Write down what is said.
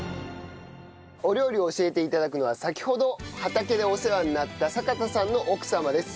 お料理を教えて頂くのは先ほど畑でお世話になった坂田さんの奥様です。